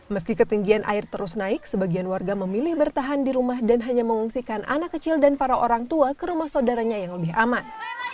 meski ketinggian air terus naik sebagian warga memilih bertahan di rumah dan hanya mengungsikan anak kecil dan para orang tua ke rumah saudaranya yang lebih aman